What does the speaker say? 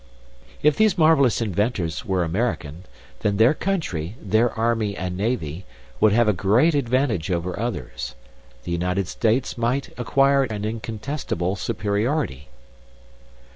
If these marvelous inventors were American, then their country, their army and navy, would have a great advantage over others. The United States might acquire an incontestable superiority.